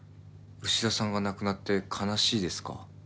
牛田さんが亡くなって悲しいですか？